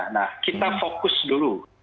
nah kita fokus dulu